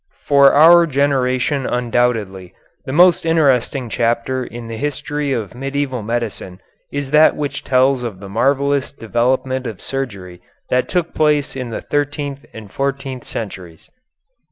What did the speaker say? For our generation undoubtedly the most interesting chapter in the history of medieval medicine is that which tells of the marvellous development of surgery that took place in the thirteenth and fourteenth centuries.